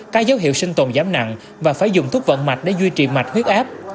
các dấu hiệu sinh tồn giảm nặng và phải dùng thuốc vận mạch để duy trì mạch huyết áp